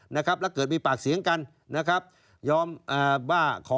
นะครับและเกิดมีปากเสียงกันนะครับ